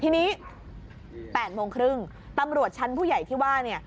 ทีนี้๘โมงครึ่งตำรวจชั้นผู้ใหญ่ที่ว่าเนี่ย